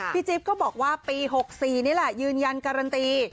จิ๊บก็บอกว่าปี๖๔นี่แหละยืนยันการันตี